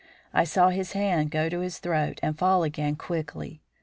I saw his hand go to his throat and fall again quickly.